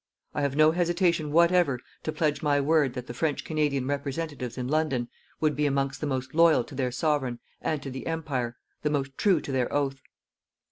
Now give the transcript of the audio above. I have no hesitation whatever to pledge my word that the French Canadian representatives in London would be amongst the most loyal to their Sovereign and to the Empire, the most true to their oath.